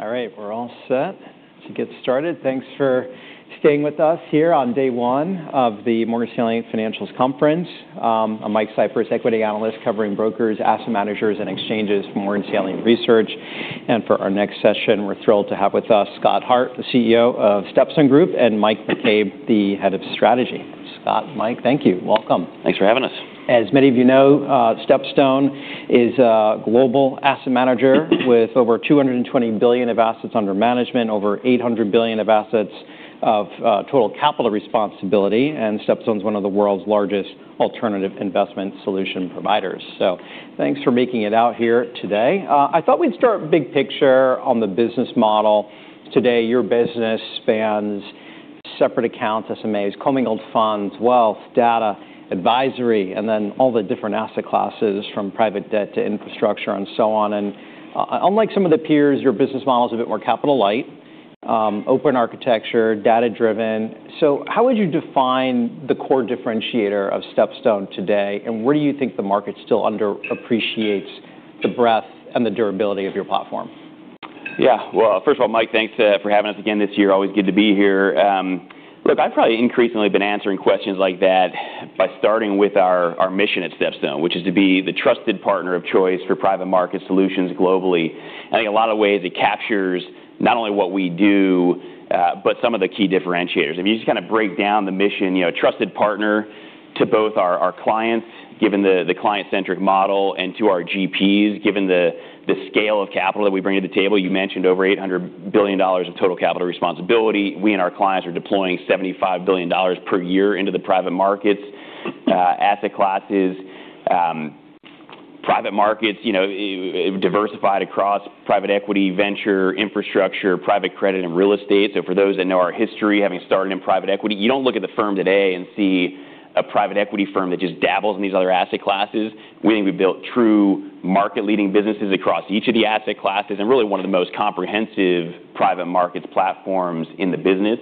We're all set to get started. Thanks for staying with us here on day one of the Morgan Stanley Financials Conference. I'm Mike Cyprys, equity analyst covering brokers, asset managers, and exchanges for Morgan Stanley Research. For our next session, we're thrilled to have with us Scott Hart, the CEO of StepStone Group, and Mike McCabe, the Head of Strategy. Scott, Mike, thank you. Welcome. Thanks for having us. As many of you know, StepStone is a global asset manager with over $220 billion of assets under management, over $800 billion of assets of total capital responsibility, StepStone's one of the world's largest alternative investment solution providers. Thanks for making it out here today. I thought we'd start big picture on the business model. Today, your business spans separate accounts, SMAs, commingled funds, wealth, data, advisory, all the different asset classes from private debt to infrastructure and so on. Unlike some of the peers, your business model is a bit more capital light, open architecture, data driven. How would you define the core differentiator of StepStone today, and where do you think the market still under appreciates the breadth and the durability of your platform? Well, first of all, Mike, thanks for having us again this year. Always good to be here. Look, I've probably increasingly been answering questions like that by starting with our mission at StepStone, which is to be the trusted partner of choice for private market solutions globally. I think in a lot of ways it captures not only what we do, but some of the key differentiators. If you just kind of break down the mission, trusted partner to both our clients, given the client-centric model, and to our GPs, given the scale of capital that we bring to the table. You mentioned over $800 billion of total capital responsibility. We and our clients are deploying $75 billion per year into the private markets. Asset classes, private markets, diversified across private equity, venture, infrastructure, private credit, and real estate. For those that know our history, having started in private equity, you don't look at the firm today and see a private equity firm that just dabbles in these other asset classes. We think we've built true market-leading businesses across each of the asset classes, and really one of the most comprehensive private markets platforms in the business.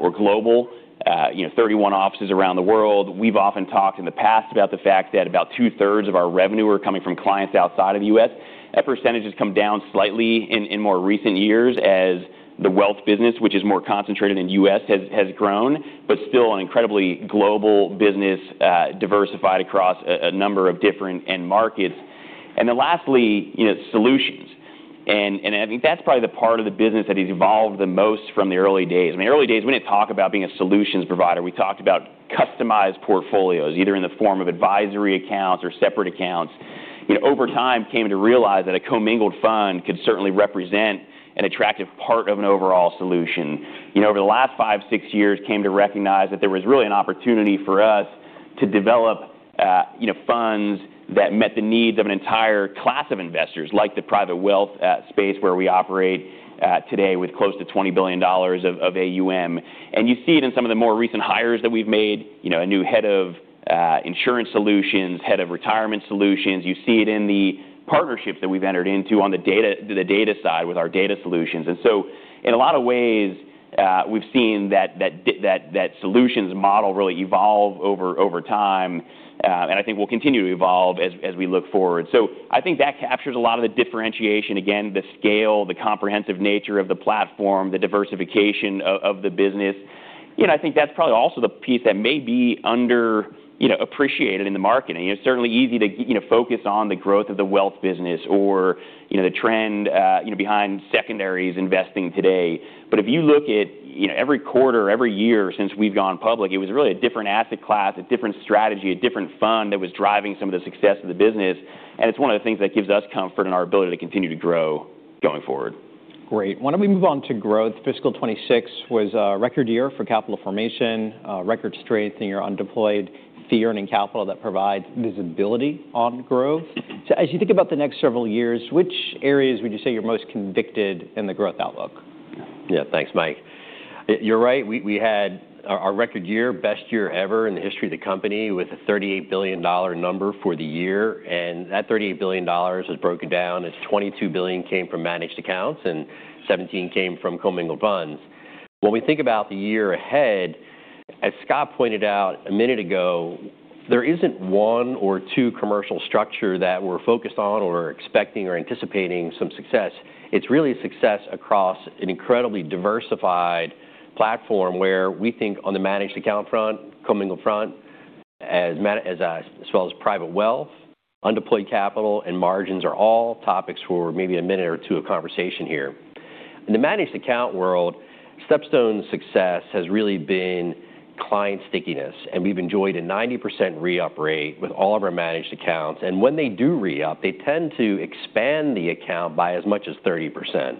We're global, 31 offices around the world. We've often talked in the past about the fact that about two-thirds of our revenue are coming from clients outside of the U.S. That percentage has come down slightly in more recent years as the wealth business, which is more concentrated in the U.S. has grown. Still an incredibly global business, diversified across a number of different end markets. Lastly, solutions. I think that's probably the part of the business that has evolved the most from the early days. In the early days, we didn't talk about being a solutions provider. We talked about customized portfolios, either in the form of advisory accounts or separate accounts. Over time, came to realize that a commingled fund could certainly represent an attractive part of an overall solution. Over the last five, six years, came to recognize that there was really an opportunity for us to develop funds that met the needs of an entire class of investors, like the private wealth space where we operate today with close to $20 billion of AUM. You see it in some of the more recent hires that we've made, a new head of insurance solutions, head of retirement solutions. You see it in the partnerships that we've entered into on the data side with our data solutions. In a lot of ways, we've seen that solutions model really evolve over time, and I think will continue to evolve as we look forward. I think that captures a lot of the differentiation, again, the scale, the comprehensive nature of the platform, the diversification of the business. I think that's probably also the piece that may be under appreciated in the market. It's certainly easy to focus on the growth of the wealth business or the trend behind secondaries investing today. If you look at every quarter, every year since we've gone public, it was really a different asset class, a different strategy, a different fund that was driving some of the success of the business. It's one of the things that gives us comfort in our ability to continue to grow going forward. Great. Why don't we move on to growth. Fiscal 2026 was a record year for capital formation, a record strength in your undeployed fee-earning capital that provides visibility on growth. As you think about the next several years, which areas would you say you're most convicted in the growth outlook? Yeah. Thanks, Mike. You're right. We had our record year, best year ever in the history of the company with a $38 billion number for the year. That $38 billion is broken down as $22 billion came from managed accounts and $17 billion came from commingled funds. When we think about the year ahead, as Scott pointed out a minute ago, there isn't one or two commercial structure that we're focused on or expecting or anticipating some success. It's really a success across an incredibly diversified platform where we think on the managed account front, commingled front, as well as private wealth, undeployed capital, and margins are all topics for maybe a minute or two of conversation here. In the managed account world, StepStone's success has really been client stickiness. We've enjoyed a 90% re-up rate with all of our managed accounts. When they do re-up, they tend to expand the account by as much as 30%.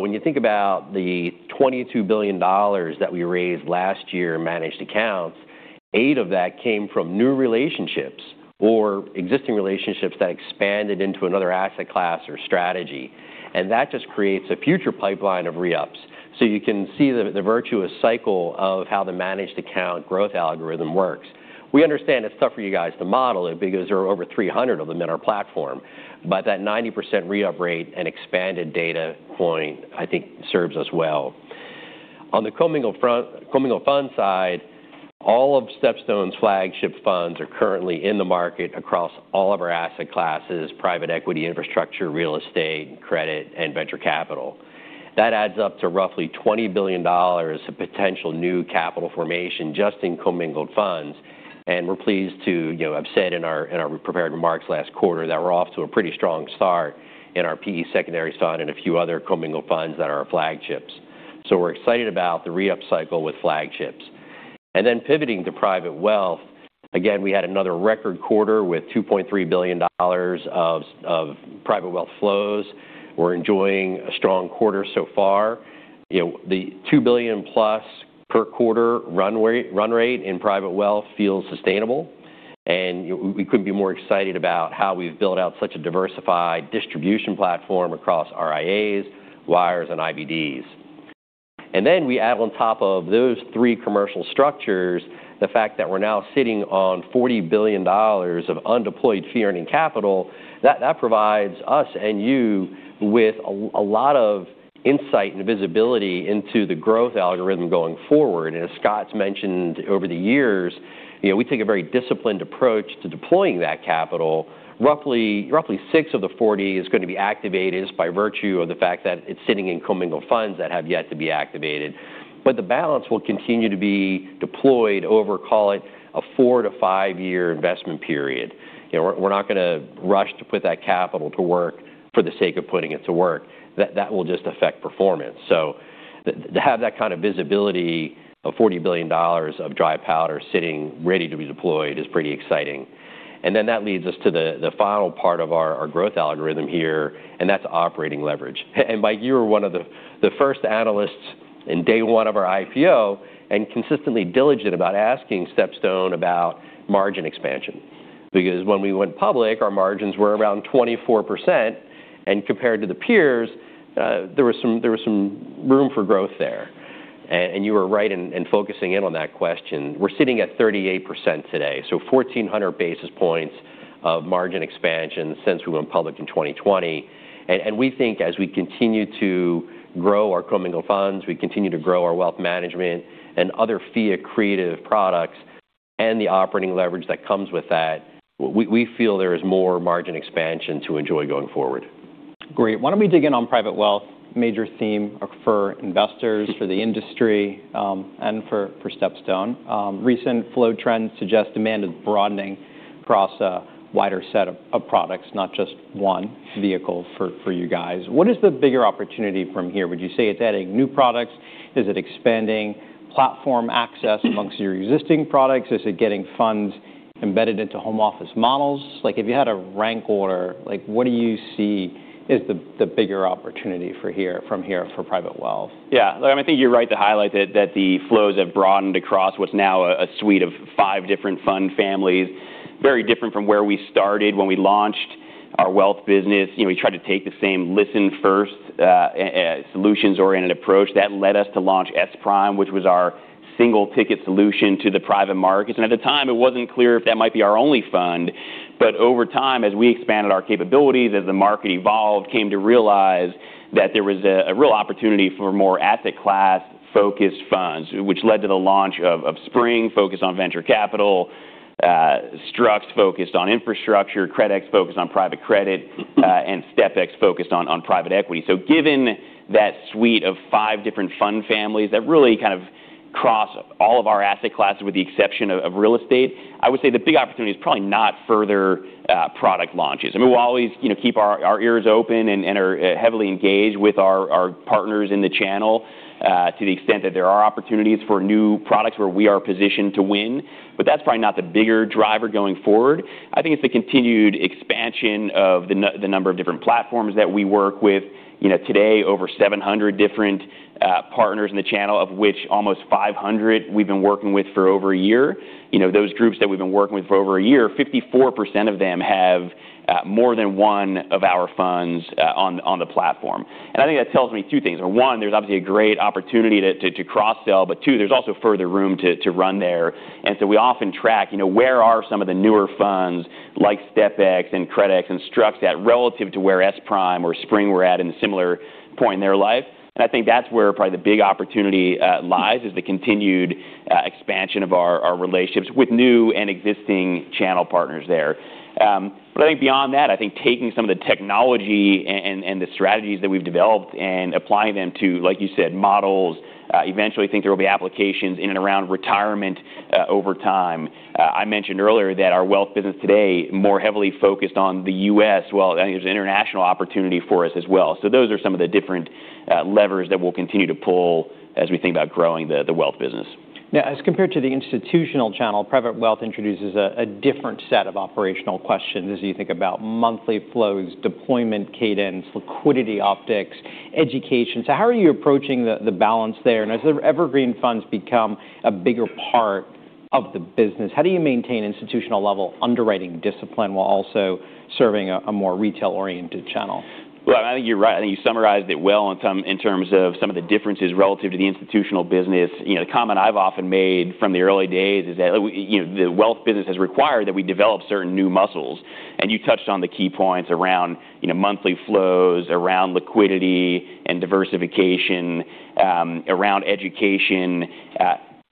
When you think about the $22 billion that we raised last year in managed accounts, eight of that came from new relationships or existing relationships that expanded into another asset class or strategy. That just creates a future pipeline of re-ups. You can see the virtuous cycle of how the managed account growth algorithm works. We understand it's tough for you guys to model it because there are over 300 of them in our platform. That 90% re-up rate and expanded data point I think serves us well. On the commingled fund side, all of StepStone's flagship funds are currently in the market across all of our asset classes, private equity, infrastructure, real estate, credit, and venture capital. That adds up to roughly $20 billion of potential new capital formation just in commingled funds. We're pleased to have said in our prepared remarks last quarter that we're off to a pretty strong start in our PE secondary and a few other commingled funds that are our flagships. We're excited about the re-up cycle with flagships. Pivoting to private wealth, again, we had another record quarter with $2.3 billion of private wealth flows. We're enjoying a strong quarter so far. The $2 billion plus per quarter run rate in private wealth feels sustainable. We couldn't be more excited about how we've built out such a diversified distribution platform across RIAs, WIRES, and IBDs. We add on top of those three commercial structures, the fact that we're now sitting on $40 billion of undeployed fee-earning capital. That provides us and you with a lot of insight and visibility into the growth algorithm going forward. As Scott's mentioned over the years, we take a very disciplined approach to deploying that capital. Roughly six of the 40 is going to be activated just by virtue of the fact that it's sitting in commingled funds that have yet to be activated. The balance will continue to be deployed over, call it, a four to five-year investment period. We're not going to rush to put that capital to work for the sake of putting it to work. That will just affect performance. To have that kind of visibility of $40 billion of dry powder sitting ready to be deployed is pretty exciting. That leads us to the final part of our growth algorithm here, that's operating leverage. Mike, you were one of the first analysts in day one of our IPO and consistently diligent about asking StepStone about margin expansion. When we went public, our margins were around 24%, and compared to the peers, there was some room for growth there. You were right in focusing in on that question. We're sitting at 38% today. 1,400 basis points of margin expansion since we went public in 2020. We think as we continue to grow our commingled funds, we continue to grow our wealth management and other fee creative products, and the operating leverage that comes with that, we feel there is more margin expansion to enjoy going forward. Great. Why don't we dig in on private wealth, major theme for investors, for the industry, and for StepStone. Recent flow trends suggest demand is broadening across a wider set of products, not just one vehicle for you guys. What is the bigger opportunity from here? Would you say it's adding new products? Is it expanding platform access amongst your existing products? Is it getting funds embedded into home office models? If you had a rank order, what do you see is the bigger opportunity from here for private wealth? Yeah. I think you're right to highlight that the flows have broadened across what's now a suite of five different fund families. Very different from where we started when we launched our wealth business. We tried to take the same listen first, solutions-oriented approach. That led us to launch SPRIM, which was our single-ticket solution to the private markets. At the time, it wasn't clear if that might be our only fund. Over time, as we expanded our capabilities, as the market evolved, came to realize that there was a real opportunity for more asset class-focused funds, which led to the launch of SPRING, focused on venture capital, STRUCT focused on infrastructure, CRDEX focused on private credit, and STPEX focused on private equity. Given that suite of five different fund families that really kind of cross all of our asset classes with the exception of real estate, I would say the big opportunity is probably not further product launches. I mean, we'll always keep our ears open and are heavily engaged with our partners in the channel to the extent that there are opportunities for new products where we are positioned to win. That's probably not the bigger driver going forward. I think it's the continued expansion of the number of different platforms that we work with. Today, over 700 different partners in the channel, of which almost 500 we've been working with for over a year. Those groups that we've been working with for over a year, 54% of them have more than one of our funds on the platform. I think that tells me two things. One, there's obviously a great opportunity to cross-sell, but two, there's also further room to run there. We often track where are some of the newer funds like STPEX and CRDEX and STRUCT that relative to where SPRIM or SPRING were at in a similar point in their life. I think that's where probably the big opportunity lies is the continued expansion of our relationships with new and existing channel partners there. I think beyond that, I think taking some of the technology and the strategies that we've developed and applying them to, like you said, models, eventually think there will be applications in and around retirement over time. I mentioned earlier that our wealth business today more heavily focused on the U.S. I think there's an international opportunity for us as well. Those are some of the different levers that we'll continue to pull as we think about growing the wealth business. Now, as compared to the institutional channel, private wealth introduces a different set of operational questions as you think about monthly flows, deployment cadence, liquidity optics, education. How are you approaching the balance there? As the Evergreen funds become a bigger part of the business, how do you maintain institutional-level underwriting discipline while also serving a more retail-oriented channel? Well, I think you're right. I think you summarized it well in terms of some of the differences relative to the institutional business. The comment I've often made from the early days is that the wealth business has required that we develop certain new muscles. You touched on the key points around monthly flows, around liquidity and diversification, around education.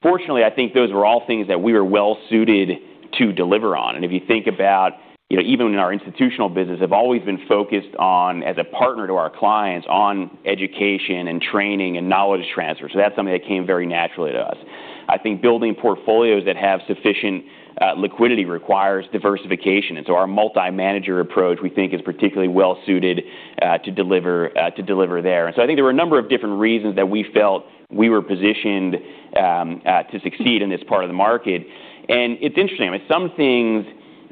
Fortunately, I think those were all things that we were well-suited to deliver on. If you think about, even in our institutional business, have always been focused on, as a partner to our clients, on education and training and knowledge transfer. That's something that came very naturally to us. I think building portfolios that have sufficient liquidity requires diversification, our multi-manager approach, we think, is particularly well-suited to deliver there. I think there were a number of different reasons that we felt we were positioned to succeed in this part of the market. It's interesting. Some things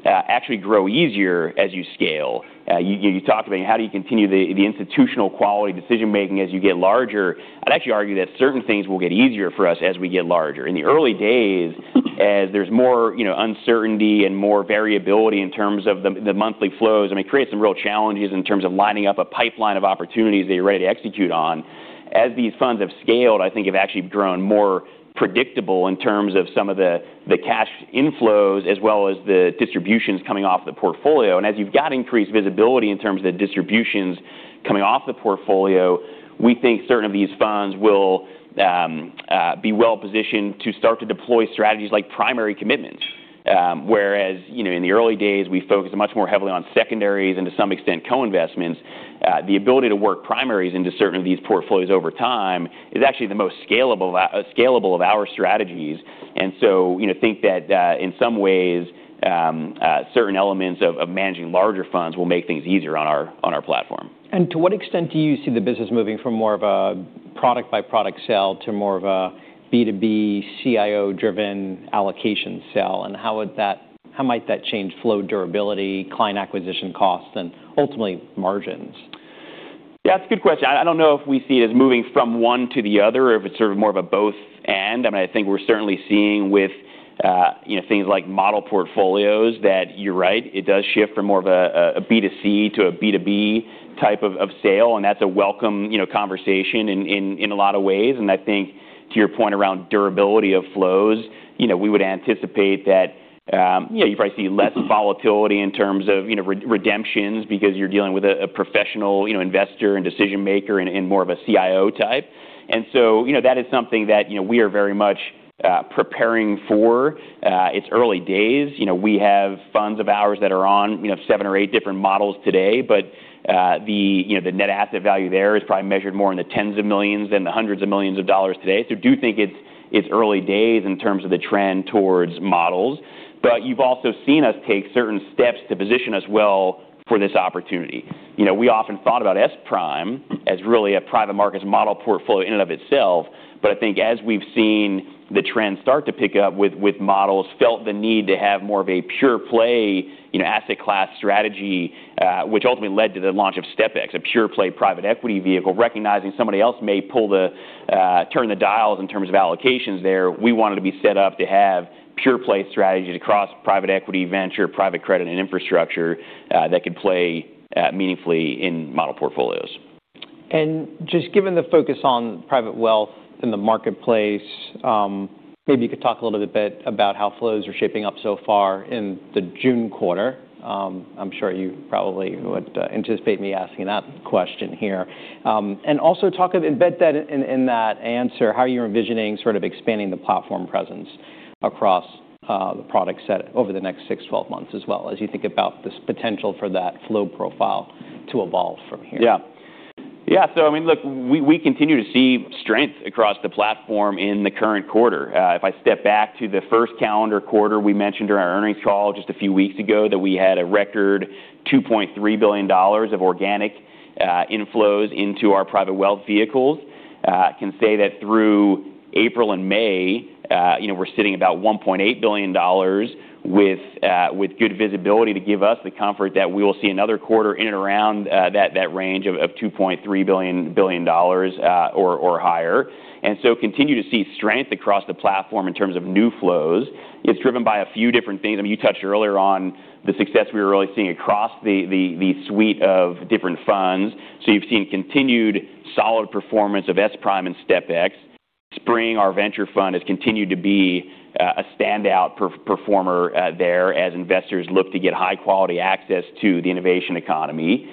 actually grow easier as you scale. You talk about how do you continue the institutional quality decision-making as you get larger. I'd actually argue that certain things will get easier for us as we get larger. In the early days, as there's more uncertainty and more variability in terms of the monthly flows, it creates some real challenges in terms of lining up a pipeline of opportunities that you're ready to execute on. As these funds have scaled, I think have actually grown more predictable in terms of some of the cash inflows as well as the distributions coming off the portfolio. As you've got increased visibility in terms of the distributions coming off the portfolio, we think certain of these funds will be well-positioned to start to deploy strategies like primary commitment. Whereas in the early days, we focused much more heavily on secondaries and to some extent, co-investments. The ability to work primaries into certain of these portfolios over time is actually the most scalable of our strategies. Think that in some ways, certain elements of managing larger funds will make things easier on our platform. To what extent do you see the business moving from more of a product-by-product sale to more of a B2B CIO-driven allocation sale, and how might that change flow durability, client acquisition costs, and ultimately margins? That's a good question. I don't know if we see it as moving from one to the other or if it's sort of more of a both end. I think we're certainly seeing with things like model portfolios that you're right, it does shift from more of a B2C to a B2B type of sale, and that's a welcome conversation in a lot of ways. I think to your point around durability of flows, we would anticipate that you probably see less volatility in terms of redemptions because you're dealing with a professional investor and decision-maker and more of a CIO type. So, that is something that we are very much preparing for. It's early days. We have funds of ours that are on seven or eight different models today, but the net asset value there is probably measured more in the tens of millions than the hundreds of millions of dollars today. Do think it's early days in terms of the trend towards models. You've also seen us take certain steps to position us well for this opportunity. We often thought about SPRIM as really a private markets model portfolio in and of itself, but I think as we've seen the trends start to pick up with models, felt the need to have more of a pure play asset class strategy, which ultimately led to the launch of STPEX, a pure play private equity vehicle, recognizing somebody else may turn the dials in terms of allocations there. We wanted to be set up to have pure play strategies across private equity, venture, private credit, and infrastructure, that could play meaningfully in model portfolios. Just given the focus on private wealth in the marketplace, maybe you could talk a little bit about how flows are shaping up so far in the June quarter. I'm sure you probably would anticipate me asking that question here. Also talk a bit in that answer how you're envisioning sort of expanding the platform presence across the product set over the next six, 12 months as well, as you think about this potential for that flow profile to evolve from here. Yeah. Look, we continue to see strength across the platform in the current quarter. If I step back to the first calendar quarter, we mentioned during our earnings call just a few weeks ago that we had a record $2.3 billion of organic inflows into our private wealth vehicles. Can say that through April and May, we're sitting about $1.8 billion with good visibility to give us the comfort that we will see another quarter in and around that range of $2.3 billion or higher. Continue to see strength across the platform in terms of new flows. It's driven by a few different things. You touched earlier on the success we were really seeing across the suite of different funds. You've seen continued solid performance of SPRIM and STPEX. SPRING, our venture fund, has continued to be a standout performer there as investors look to get high-quality access to the innovation economy.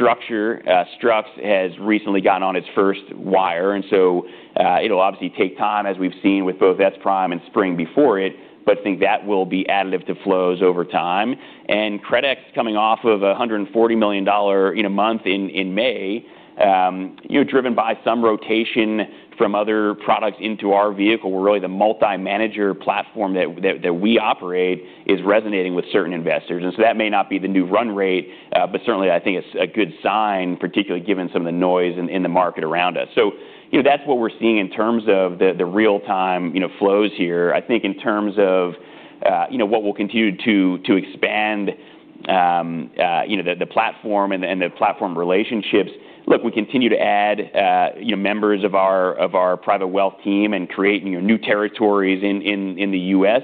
STRUCT has recently gone on its first WIRES, it'll obviously take time, as we've seen with both SPRIM and SPRING before it, but think that will be additive to flows over time. CRDEX coming off of $140 million in a month in May, driven by some rotation from other products into our vehicle, where really the multi-manager platform that we operate is resonating with certain investors. That may not be the new run rate, but certainly, I think it's a good sign, particularly given some of the noise in the market around us. That's what we're seeing in terms of the real-time flows here. I think in terms of what we'll continue to expand the platform and the platform relationships. Look, we continue to add members of our private wealth team and create new territories in the U.S.,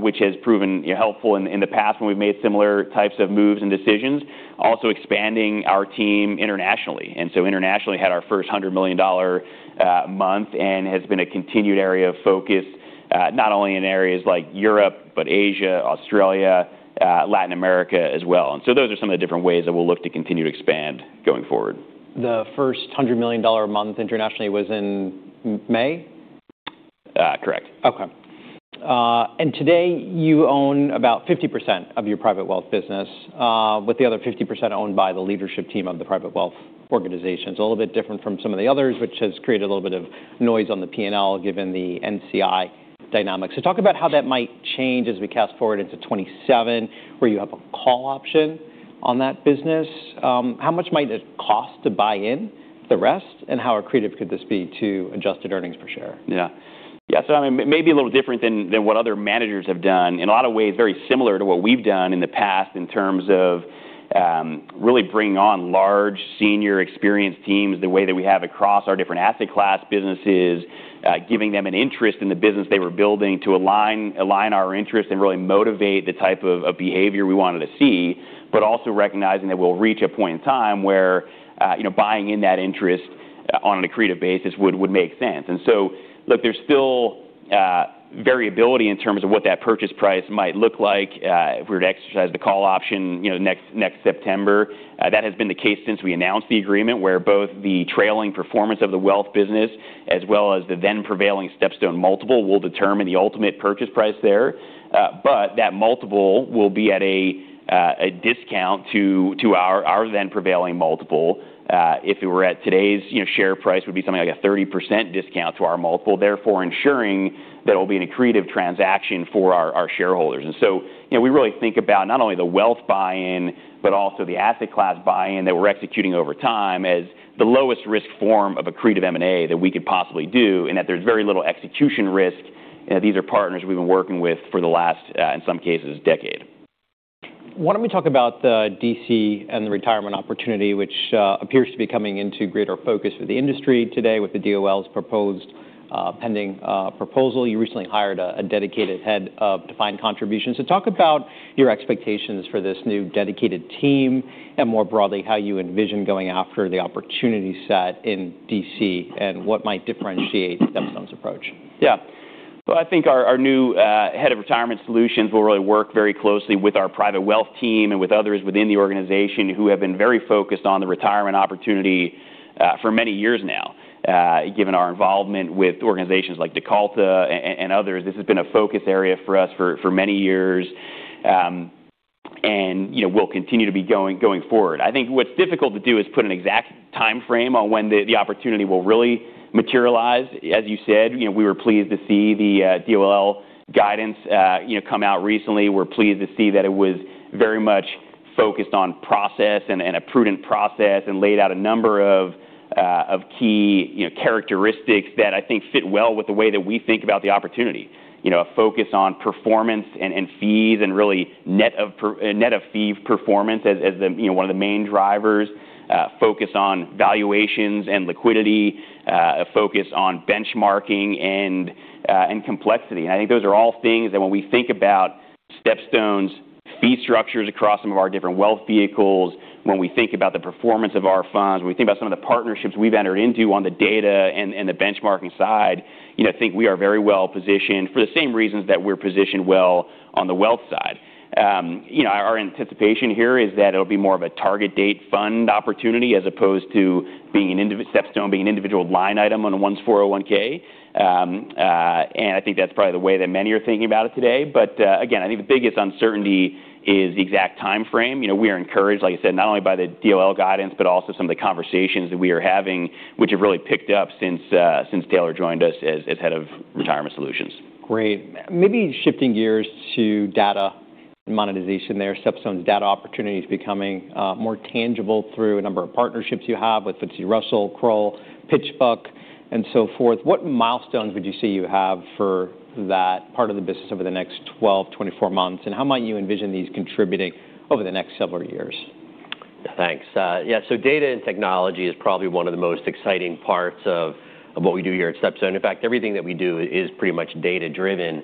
which has proven helpful in the past when we've made similar types of moves and decisions. Also expanding our team internationally. Internationally, had our first $100 million month and has been a continued area of focus. Not only in areas like Europe, but Asia, Australia, Latin America as well. Those are some of the different ways that we'll look to continue to expand going forward. The 1st $100 million a month internationally was in May? Correct. Today you own about 50% of your private wealth business, with the other 50% owned by the leadership team of the private wealth organizations. A little bit different from some of the others, which has created a little bit of noise on the P&L, given the NCI dynamics. Talk about how that might change as we cast forward into 2027, where you have a call option on that business. How much might it cost to buy in the rest, and how accretive could this be to adjusted earnings per share? Maybe a little different than what other managers have done. In a lot of ways, very similar to what we've done in the past in terms of really bringing on large senior experienced teams the way that we have across our different asset class businesses, giving them an interest in the business they were building to align our interest and really motivate the type of behavior we wanted to see, but also recognizing that we'll reach a point in time where buying in that interest on an accretive basis would make sense. Look, there's still variability in terms of what that purchase price might look like if we were to exercise the call option next September. That has been the case since we announced the agreement where both the trailing performance of the wealth business as well as the then prevailing StepStone multiple will determine the ultimate purchase price there. That multiple will be at a discount to our then prevailing multiple. If it were at today's share price, would be something like a 30% discount to our multiple, therefore ensuring that it'll be an accretive transaction for our shareholders. We really think about not only the wealth buy-in, but also the asset class buy-in that we're executing over time as the lowest risk form of accretive M&A that we could possibly do, and that there's very little execution risk. These are partners we've been working with for the last, in some cases, decade. Why don't we talk about the DC and the retirement opportunity, which appears to be coming into greater focus for the industry today with the DOL's proposed pending proposal. You recently hired a dedicated head of defined contributions. Talk about your expectations for this new dedicated team and more broadly, how you envision going after the opportunity set in DC and what might differentiate StepStone's approach? Yeah. I think our new head of retirement solutions will really work very closely with our private wealth team and with others within the organization who have been very focused on the retirement opportunity for many years now. Given our involvement with organizations like DCALTA and others, this has been a focus area for us for many years, and will continue to be going forward. I think what's difficult to do is put an exact time frame on when the opportunity will really materialize. As you said, we were pleased to see the DOL guidance come out recently. We're pleased to see that it was very much focused on process and a prudent process and laid out a number of key characteristics that I think fit well with the way that we think about the opportunity. A focus on performance and fees and really net of fee performance as one of the main drivers. A focus on valuations and liquidity, a focus on benchmarking and complexity. I think those are all things that when we think about StepStone's fee structures across some of our different wealth vehicles, when we think about the performance of our funds, when we think about some of the partnerships we've entered into on the data and the benchmarking side, I think we are very well-positioned for the same reasons that we're positioned well on the wealth side. Our anticipation here is that it'll be more of a target-date fund opportunity as opposed to StepStone being an individual line item on one's 401(k). I think that's probably the way that many are thinking about it today. Again, I think the biggest uncertainty is the exact time frame. We are encouraged, like you said, not only by the DOL guidance, but also some of the conversations that we are having, which have really picked up since Taylor joined us as head of retirement solutions. Great. Maybe shifting gears to data monetization there. StepStone's data opportunity is becoming more tangible through a number of partnerships you have with FTSE Russell, Kroll, PitchBook, and so forth. What milestones would you say you have for that part of the business over the next 12, 24 months, and how might you envision these contributing over the next several years? Thanks. Data and technology is probably one of the most exciting parts of what we do here at StepStone. In fact, everything that we do is pretty much data-driven.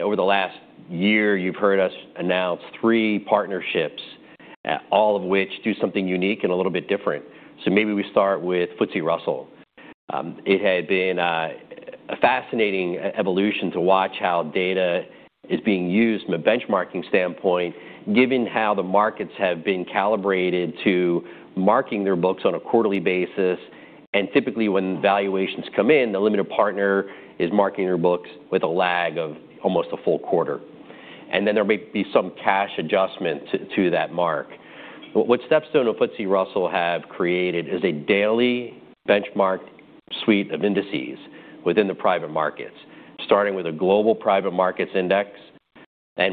Over the last year, you've heard us announce three partnerships, all of which do something unique and a little bit different. Maybe we start with FTSE Russell. It had been a fascinating evolution to watch how data is being used from a benchmarking standpoint, given how the markets have been calibrated to marking their books on a quarterly basis. Then there may be some cash adjustment to that mark. What StepStone and FTSE Russell have created is a daily benchmark suite of indices within the private markets, starting with a Global Private Markets Index.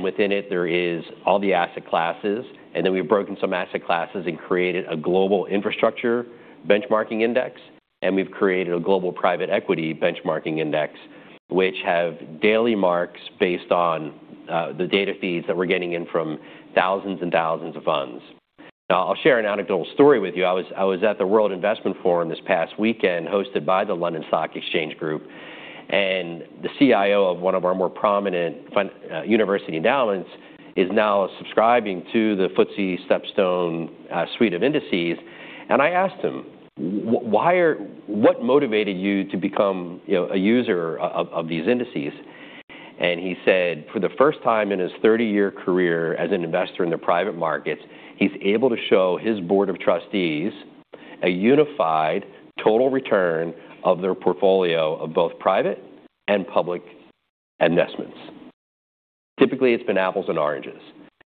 Within it, there is all the asset classes. Then we've broken some asset classes and created a Global Infrastructure Benchmarking Index. We've created a Global Private Equity Benchmarking Index, which have daily marks based on the data feeds that we're getting in from thousands and thousands of funds. I'll share an anecdotal story with you. I was at the World Investment Forum this past weekend hosted by the London Stock Exchange Group, and the CIO of one of our more prominent university endowments is now subscribing to the FTSE StepStone suite of indices. I asked him, "What motivated you to become a user of these indices?" He said, for the first time in his 30-year career as an investor in the private markets, he's able to show his board of trustees a unified total return of their portfolio of both private and public investments. Typically, it's been apples and oranges.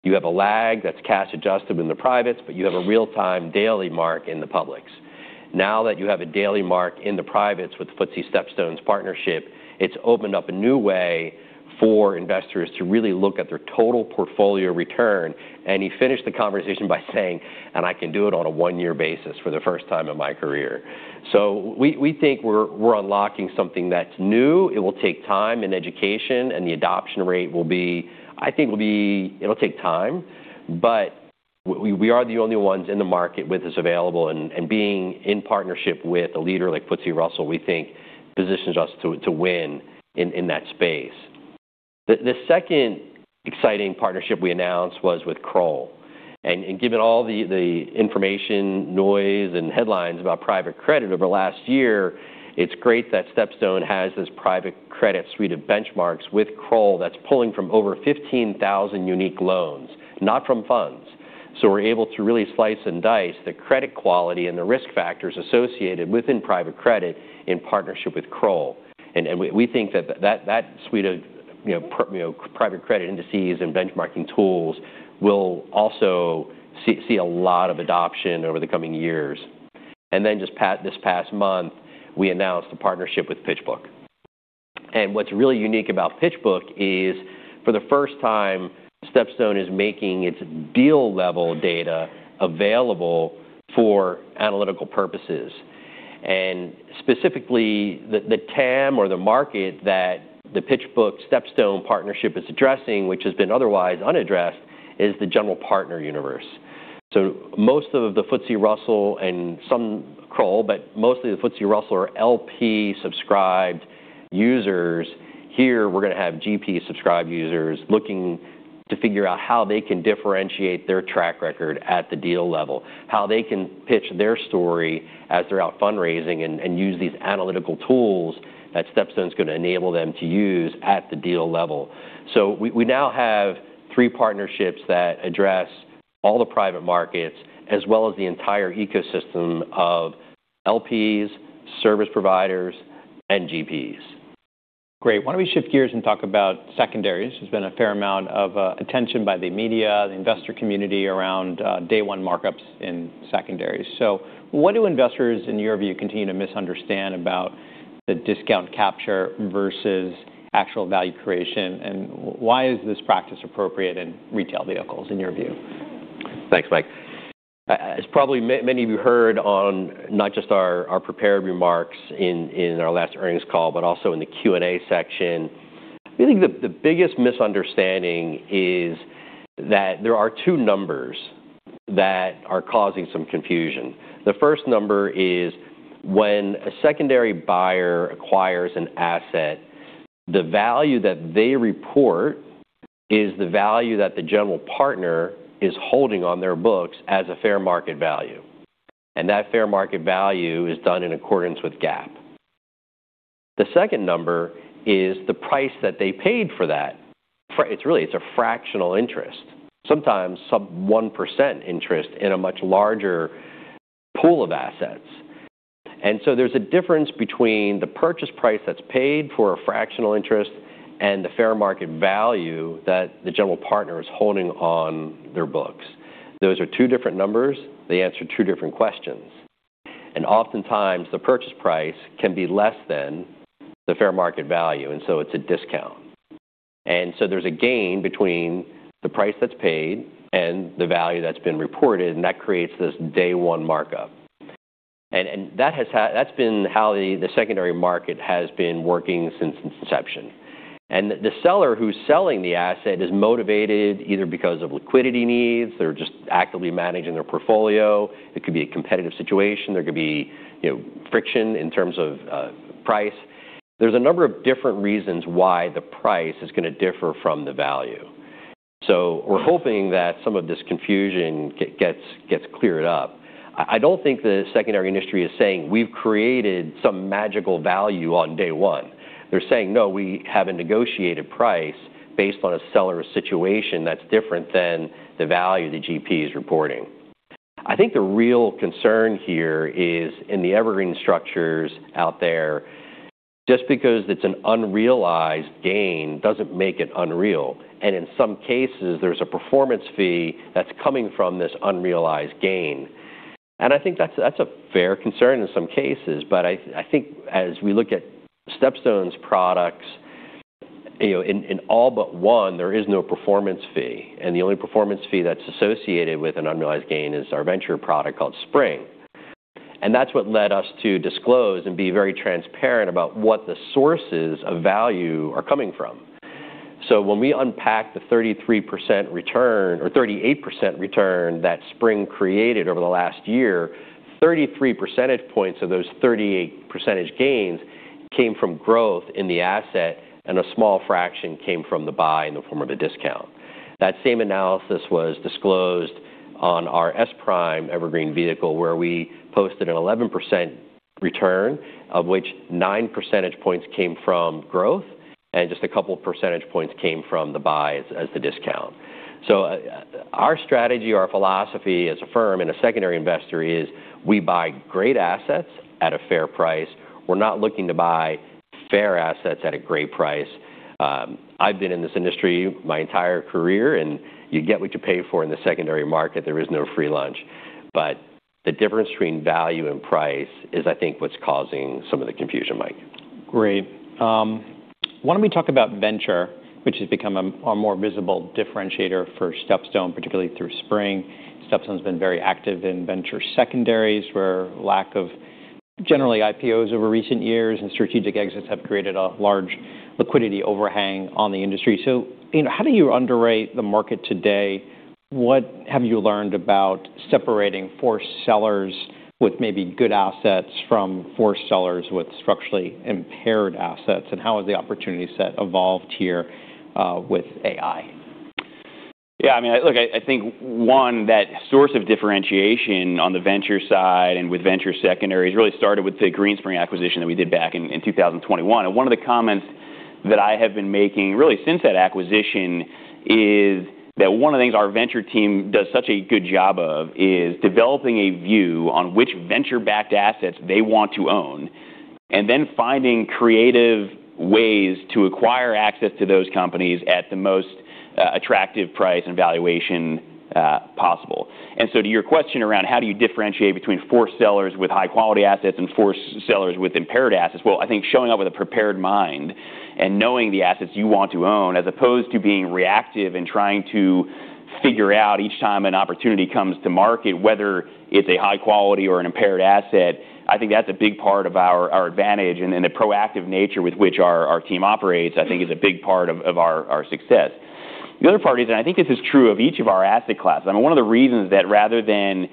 You have a lag that's cash-adjusted in the privates, but you have a real-time daily mark in the publics. That you have a daily mark in the privates with FTSE StepStone's partnership, it's opened up a new way for investors to really look at their total portfolio return. He finished the conversation by saying, "I can do it on a one-year basis for the first time in my career." We think we're unlocking something that's new. It will take time and education, and the adoption rate, I think it'll take time, but we are the only ones in the market with this available, and being in partnership with a leader like FTSE Russell, we think positions us to win in that space. The 2nd exciting partnership we announced was with Kroll. Given all the information, noise, and headlines about private credit over the last year, it's great that StepStone has this private credit suite of benchmarks with Kroll that's pulling from over 15,000 unique loans, not from funds. We're able to really slice and dice the credit quality and the risk factors associated within private credit in partnership with Kroll. We think that that suite of private credit indices and benchmarking tools will also see a lot of adoption over the coming years. This past month, we announced a partnership with PitchBook. What's really unique about PitchBook is, for the first time, StepStone is making its deal-level data available for analytical purposes. Specifically, the TAM or the market that the PitchBook StepStone partnership is addressing, which has been otherwise unaddressed, is the general partner universe. Most of the FTSE Russell and some Kroll, but mostly the FTSE Russell are LP-subscribed users. Here, we're going to have GP-subscribed users looking to figure out how they can differentiate their track record at the deal level, how they can pitch their story as they're out fundraising, and use these analytical tools that StepStone's going to enable them to use at the deal level. We now have three partnerships that address all the private markets as well as the entire ecosystem of LPs, service providers, and GPs. Great. Why don't we shift gears and talk about secondaries? There's been a fair amount of attention by the media, the investor community around day-one markups in secondaries. What do investors, in your view, continue to misunderstand about the discount capture versus actual value creation, and why is this practice appropriate in retail vehicles, in your view? Thanks, Mike. As probably many of you heard on not just our prepared remarks in our last earnings call, but also in the Q&A section, I think the biggest misunderstanding is that there are two numbers that are causing some confusion. The 1st number is when a secondary buyer acquires an asset, the value that they report is the value that the general partner is holding on their books as a fair market value, and that fair market value is done in accordance with GAAP. The second number is the price that they paid for that. It's a fractional interest, sometimes some 1% interest in a much larger pool of assets. There's a difference between the purchase price that's paid for a fractional interest and the fair market value that the general partner is holding on their books. Those are two different numbers. They answer two different questions. Oftentimes, the purchase price can be less than the fair market value, it's a discount. There's a gain between the price that's paid and the value that's been reported, and that creates this day-one markup. That's been how the secondary market has been working since its inception. The seller who's selling the asset is motivated either because of liquidity needs. They're just actively managing their portfolio. It could be a competitive situation. There could be friction in terms of price. There's a number of different reasons why the price is going to differ from the value. We're hoping that some of this confusion gets cleared up. I don't think the secondary industry is saying we've created some magical value on day one. They're saying, "No, we have a negotiated price based on a seller's situation that's different than the value the GP is reporting." I think the real concern here is in the evergreen structures out there, just because it's an unrealized gain doesn't make it unreal, and in some cases, there's a performance fee that's coming from this unrealized gain. I think that's a fair concern in some cases. I think as we look at StepStone's products, in all but one, there is no performance fee, and the only performance fee that's associated with an unrealized gain is our venture product called SPRING. That's what led us to disclose and be very transparent about what the sources of value are coming from. When we unpack the 33% return or 38% return that SPRING created over the last year, 33 percentage points of those 38 percentage gains came from growth in the asset, and a small fraction came from the buy in the form of a discount. That same analysis was disclosed on our SPRIM Evergreen vehicle, where we posted an 11% return, of which nine percentage points came from growth and just a couple percentage points came from the buy as the discount. Our strategy, our philosophy as a firm and a secondary investor is we buy great assets at a fair price. We're not looking to buy fair assets at a great price. I've been in this industry my entire career, you get what you pay for in the secondary market. There is no free lunch. The difference between value and price is, I think, what's causing some of the confusion, Mike. Great. Why don't we talk about venture, which has become a more visible differentiator for StepStone, particularly through SPRING. StepStone's been very active in venture secondaries, where lack of generally IPOs over recent years and strategic exits have created a large liquidity overhang on the industry. How do you underwrite the market today? What have you learned about separating forced sellers with maybe good assets from forced sellers with structurally impaired assets? How has the opportunity set evolved here with AI? Yeah, look, I think, one, that source of differentiation on the venture side and with venture secondaries really started with the Greenspring Associates acquisition that we did back in 2021. One of the comments that I have been making, really since that acquisition, is that one of the things our venture team does such a good job of is developing a view on which venture-backed assets they want to own, and then finding creative ways to acquire access to those companies at the most attractive price and valuation possible. To your question around how do you differentiate between forced sellers with high-quality assets and forced sellers with impaired assets, well, I think showing up with a prepared mind and knowing the assets you want to own, as opposed to being reactive and trying to figure out each time an opportunity comes to market, whether it's a high-quality or an impaired asset, I think that's a big part of our advantage. The proactive nature with which our team operates, I think is a big part of our success. The other part is, and I think this is true of each of our asset classes, one of the reasons that rather than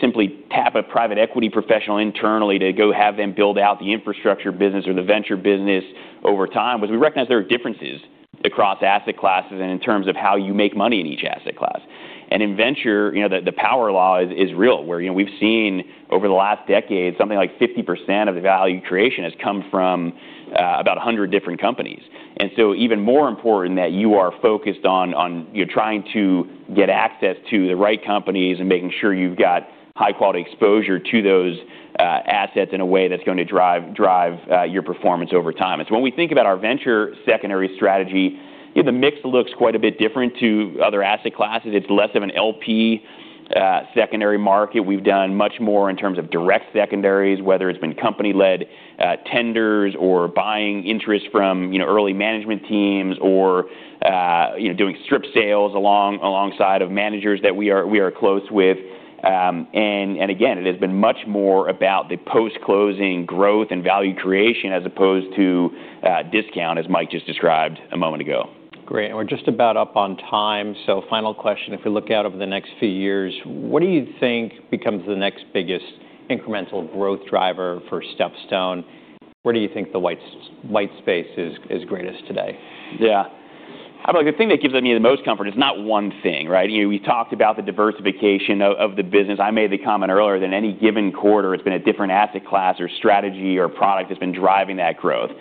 simply tap a private equity professional internally to go have them build out the infrastructure business or the venture business over time was we recognize there are differences across asset classes and in terms of how you make money in each asset class. In venture, the power law is real, where we've seen over the last decade, something like 50% of the value creation has come from about 100 different companies. Even more important that you are focused on trying to get access to the right companies and making sure you've got high-quality exposure to those assets in a way that's going to drive your performance over time. When we think about our venture secondary strategy, the mix looks quite a bit different to other asset classes. It's less of an LP-led secondary market. We've done much more in terms of direct secondaries, whether it's been company-led tenders or buying interest from early management teams, or doing strip sales alongside of managers that we are close with. Again, it has been much more about the post-closing growth and value creation as opposed to discount, as Mike just described a moment ago. Great. We're just about up on time. Final question. If we look out over the next few years, what do you think becomes the next biggest incremental growth driver for StepStone? Where do you think the white space is greatest today? Yeah. The thing that gives me the most comfort is not one thing, right? We talked about the diversification of the business. I made the comment earlier that any given quarter, it's been a different asset class or strategy or product that's been driving that growth.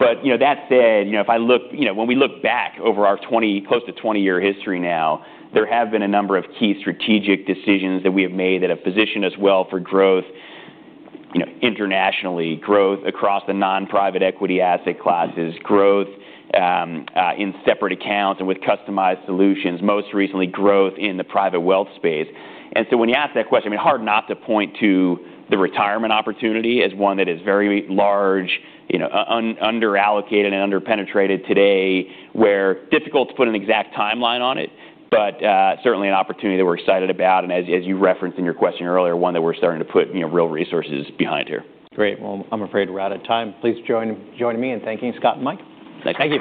That said, when we look back over our close to 20-year history now, there have been a number of key strategic decisions that we have made that have positioned us well for growth internationally, growth across the non-private equity asset classes, growth in separate accounts and with customized solutions. Most recently, growth in the private wealth space. When you ask that question, I mean, hard not to point to the retirement opportunity as one that is very large, under-allocated, and under-penetrated today, where difficult to put an exact timeline on it, but certainly an opportunity that we're excited about, and as you referenced in your question earlier, one that we're starting to put real resources behind here. Great. Well, I'm afraid we're out of time. Please join me in thanking Scott and Mike. Thank you.